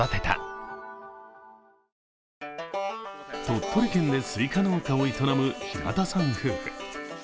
鳥取県でスイカ農家を営む平田さん夫婦。